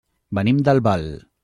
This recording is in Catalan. Venim d'Albal.